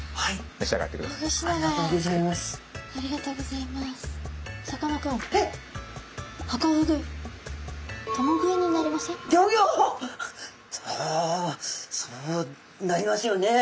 おそうなりますよね。